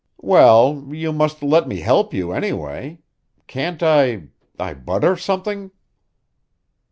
"Well, you must let me help you, anyway. Can't I I butter something?"